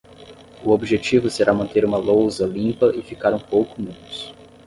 O objetivo será manter uma lousa limpa e ficar um pouco menos.